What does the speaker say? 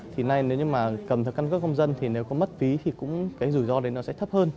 thì nếu như mà cầm thẻ căn cấp công dân thì nếu có mất phí thì cũng cái rủi ro đấy nó sẽ thấp hơn